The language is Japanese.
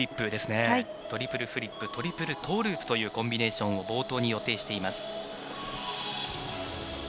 トリプルフリップトリプルトーループというコンビネーションを冒頭に予定しています。